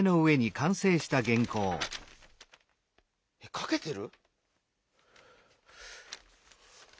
かけてる？